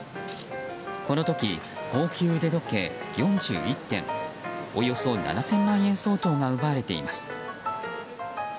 この時、高級腕時計４１点およそ７０００万円相当が奪われています。